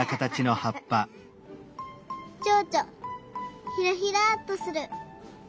ちょうちょひらひらっとする。